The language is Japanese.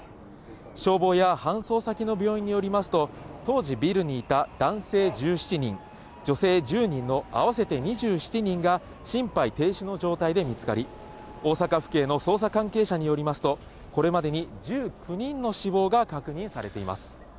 消防や搬送先の病院によりますと、当時ビルにいた男性１７人、女性１０人の合わせて２７人が、心肺停止の状態で見つかり、大阪府警の捜査関係者によりますと、これまでに１９人の死亡が確認されています。